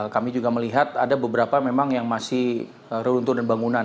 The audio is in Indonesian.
kami juga melihat ada beberapa memang yang masih reruntuhan dan bangunan